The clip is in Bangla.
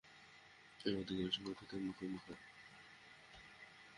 আমার অধিকাংশ বক্তৃতাই মুখে মুখে।